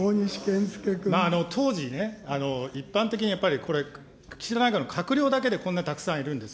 当時ね、一般的にやっぱり、これ、岸田内閣の閣僚だけでこんなにたくさんいるんです。